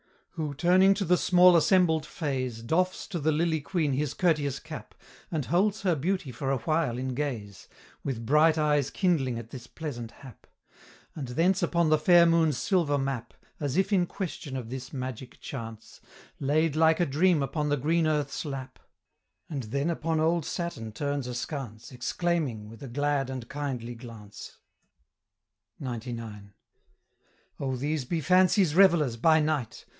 Who, turning to the small assembled fays, Doffs to the lily queen his courteous cap, And holds her beauty for a while in gaze, With bright eyes kindling at this pleasant hap; And thence upon the fair moon's silver map, As if in question of this magic chance, Laid like a dream upon the green earth's lap; And then upon old Saturn turns askance, Exclaiming, with a glad and kindly glance: XCIX. "Oh, these be Fancy's revelers by night!